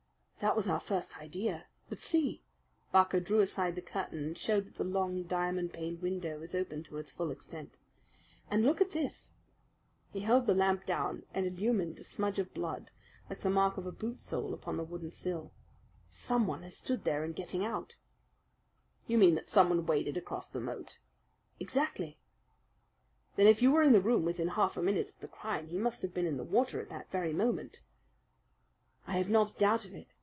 "That was our first idea. But see!" Barker drew aside the curtain, and showed that the long, diamond paned window was open to its full extent. "And look at this!" He held the lamp down and illuminated a smudge of blood like the mark of a boot sole upon the wooden sill. "Someone has stood there in getting out." "You mean that someone waded across the moat?" "Exactly!" "Then if you were in the room within half a minute of the crime, he must have been in the water at that very moment." "I have not a doubt of it.